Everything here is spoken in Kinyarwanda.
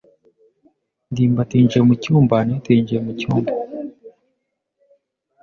ndimbati yinjiye mu cyumba anet yinjiye mu cyumba.